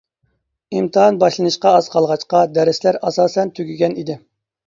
ئىمتىھان باشلىنىشقا ئاز قالغاچقا دەرسلەر ئاساسەن تۈگىگەن ئىدى.